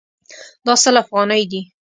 دا سل افغانۍ دي